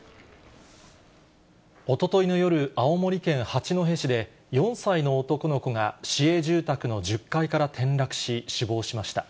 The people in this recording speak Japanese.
おとといの夜、青森県八戸市で、４歳の男の子が市営住宅の１０階から転落し、死亡しました。